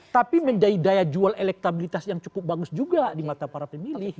tapi menjadi daya jual elektabilitas yang cukup bagus juga di mata para pemilih